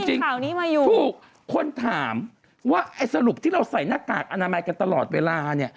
จริงฟูกคนถามว่าไอ้สรุปที่เราใส่หน้ากากอนามัยกันตลอดเวลานี่